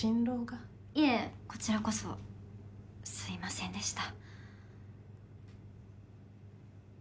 いえこちらこそすみませんでした。